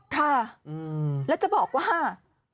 ค่ะแล้วจะบอกว่า